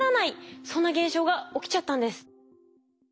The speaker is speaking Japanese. そんな現象が起きちゃったんです。